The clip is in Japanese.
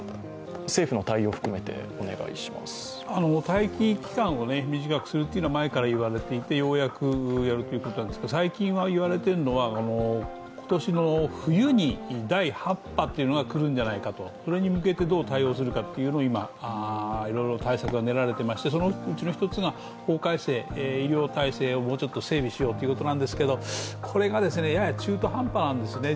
待機期間を短くするというのは前から言われていて、ようやくやるということなんですけど最近言われているのは今年の冬に第８波というものがくるのではないかと、それに向けてどう対応するかっていうのを今、いろいろ対策が練られてましてそのうちの１つが法改正、医療体制をもうちょっと整備しようということなんですけれどもこれがやや中途半端なんですよね。